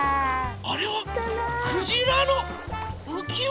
あれはクジラのうきわ！